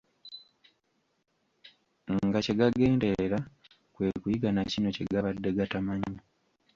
Nga kye gagenderera kwe kuyiga na kino kye gabadde gatamanyi.